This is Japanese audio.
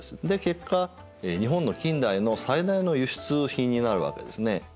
で結果日本の近代の最大の輸出品になるわけですね。